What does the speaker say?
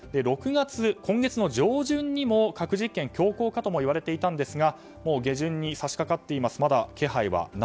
６月、今月の上旬にも核実験強行かともいわれていたんですがもう下旬に差し掛かっています。